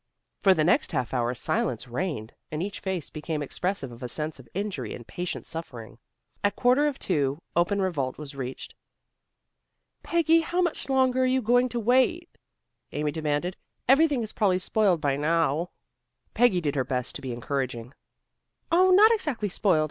For the next half hour silence reigned, and each face became expressive of a sense of injury and patient suffering. At quarter of two, open revolt was reached. "Peggy, how much longer are you going to wait?" Amy demanded. "Everything is probably spoiled by now." Peggy did her best to be encouraging. "Oh, not exactly spoiled.